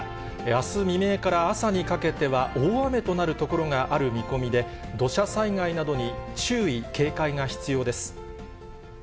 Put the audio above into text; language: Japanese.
あす未明から朝にかけては、大雨となる所がある見込みで、土砂災害などに注意、警戒が必要です。